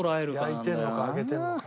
焼いてるのか揚げてるのか。